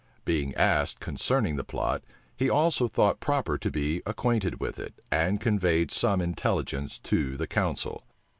Being asked concerning the plot, he also thought proper to be acquainted with it, and conveyed some intelligence to the council.